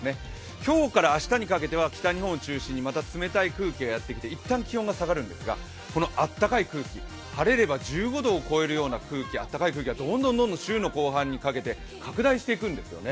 今日から明日にかけては北日本を中心にまた冷たい空気がやってきて、一旦、気温が下がるんですが、あったかい空気、晴れれば１５度を超えるようなあったかい空気がどんどん週の後半にかけて拡大していくんですね。